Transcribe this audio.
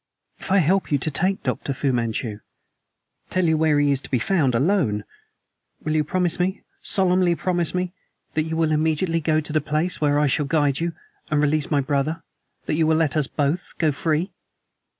"If I help you to take Dr. Fu Manchu tell you where he is to be found ALONE will you promise me, solemnly promise me, that you will immediately go to the place where I shall guide you and release my brother; that you will let us both go free?"